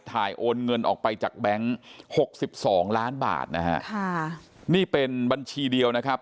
ถ่ายโอนเงินออกไปจากแบงค์๖๒ล้านบาทนี่เป็นบัญชีเดียวนะครับ